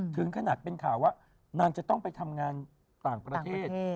ถึงขนาดเป็นข่าวว่านางจะต้องไปทำงานต่างประเทศ